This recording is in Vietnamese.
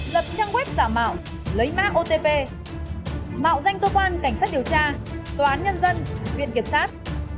giật trang web giả mạo lấy má otp mạo danh tô quan cảnh sát điều tra tòa án nhân dân viện kiểm sát